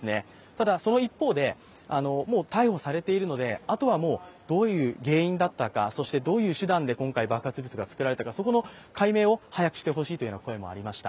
ただ、その一方で、もう逮捕されているので、あとはどういう原因だったか、そしてどういう手段で今回爆発物が作られたかそこの解明を早くしてほしいという声もありました。